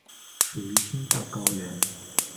属于青藏高原。